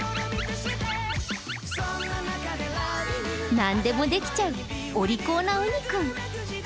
何でもできちゃう、お利口なうにくん。